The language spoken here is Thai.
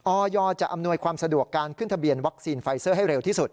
อยจะอำนวยความสะดวกการขึ้นทะเบียนวัคซีนไฟเซอร์ให้เร็วที่สุด